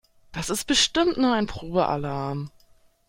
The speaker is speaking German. Das ist bestimmt nur ein Probealarm.